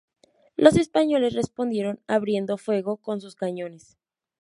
Los españoles respondieron abriendo fuego con sus cañones.